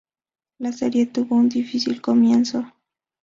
La serie tuvo un difícil comienzo.